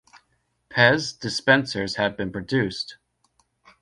Pez dispensers have been produced.